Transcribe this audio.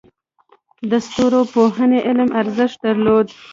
د ستورپوهنې علم ارزښت درلود